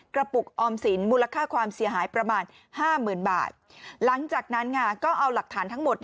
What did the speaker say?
ปุกออมสินมูลค่าความเสียหายประมาณ๕๐๐๐บาทหลังจากนั้นก็เอาหลักฐานทั้งหมด